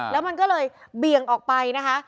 แล้วมันก็เลยเบี่ยงออกไปนะคะ